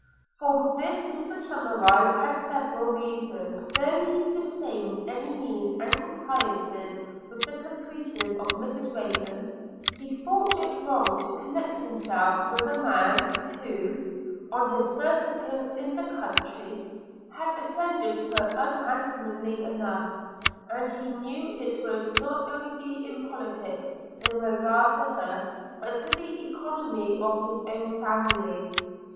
For this Mr Somerive had several reasons. Though he disdained any mean compliances with the caprices of Mrs Rayland, he thought it wrong to connect himself with a man who, on his first appearance in the country, had offended her unhandsomely enough; and he knew it would not only be impolitic in regard to her, but to the economy of his own family.